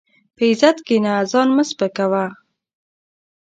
په عزت کښېنه، ځان مه سپکاوه.